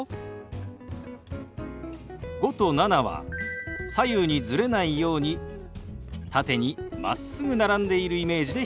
「５」と「７」は左右にズレないように縦にまっすぐ並んでいるイメージで表現します。